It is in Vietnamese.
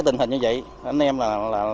tình hình như vậy anh em là